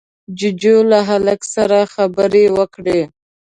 جُوجُو له هلک سره خبرې وکړې.